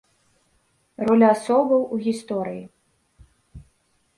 Роля асобаў у гісторыі.